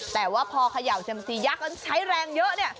แต่ว่าพอเขย่าเซียมซียักษ์ใช้แรงเยอะ